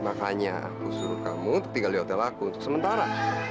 makanya aku suruh kamu untuk tinggal di hotel aku untuk sementara